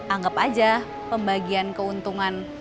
anggap aja pembagian keuntungan